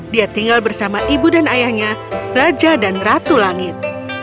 dia tinggal bersama ibu dan ayahnya raja dan ratu langit